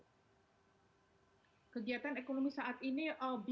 kegiatan ekonomi saat ini